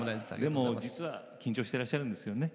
実は緊張してらっしゃるんですよね。